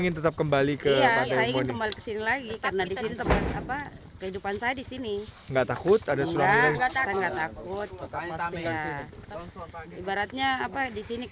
dan tetap optimis akan mencari rejeki di sini